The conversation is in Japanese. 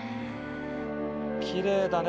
きれいだね